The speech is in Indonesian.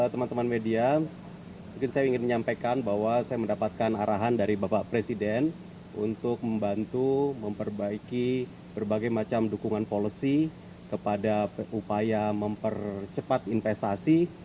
teman teman media mungkin saya ingin menyampaikan bahwa saya mendapatkan arahan dari bapak presiden untuk membantu memperbaiki berbagai macam dukungan policy kepada upaya mempercepat investasi